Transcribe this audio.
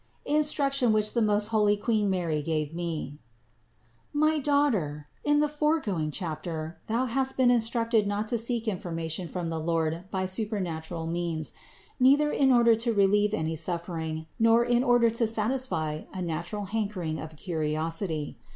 INSTRUCTION WHICH THE MOST HOLY QUEEN MARY GAVE ME. 550. My daughter, in the foregoing chapter, thou hast been instructed not to seek information from the Lord by supernatural means, neither in order to relieve any suffering, nor in order to satisfy a natural hankering of curiosity.